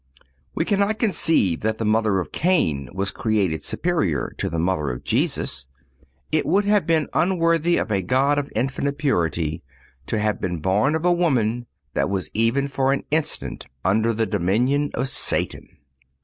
We cannot conceive that the mother of Cain was created superior to the mother of Jesus. It would have been unworthy of a God of infinite purity to have been born of a woman that was even for an instant under the dominion of Satan.